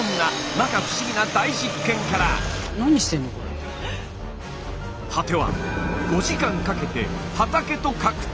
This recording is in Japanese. こんな果ては５時間かけて畑と格闘！